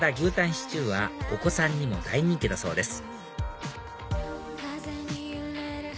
シチューはお子さんにも大人気だそうです